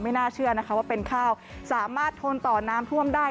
น่าเชื่อนะคะว่าเป็นข้าวสามารถทนต่อน้ำท่วมได้